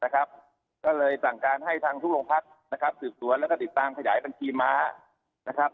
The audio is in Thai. ก็เลยสั่งการให้ทางทุกฯลงพัฒน์สื่อสวนและติดตามขยายขันตรีม้า